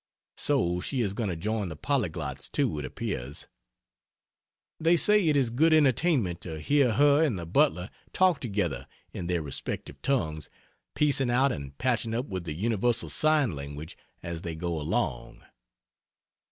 So she is going to join the polyglots, too, it appears. They say it is good entertainment to hear her and the butler talk together in their respective tongues, piecing out and patching up with the universal sign language as they go along.